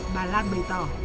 bà lan bày tỏ